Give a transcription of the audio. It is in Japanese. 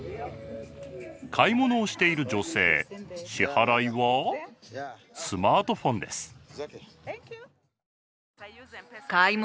買い物をしている女性支払いはスマートフォンです。